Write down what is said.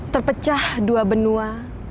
terpecah dua benua